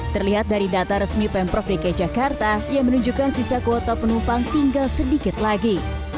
terlihat dari data resmi pemprov dki jakarta yang menunjukkan sisa kuota penumpang tinggal sedikit lagi